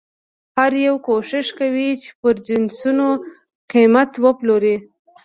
هر یو کوښښ کوي پرې جنسونه قیمته وپلوري.